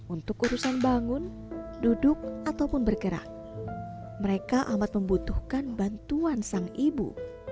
untuk urusan bangun duduk ataupun bergerak mereka amat membutuhkan bantuan sang ibu